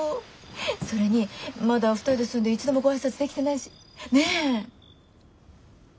それにまだ２人で住んで一度もご挨拶できてないしねぇ？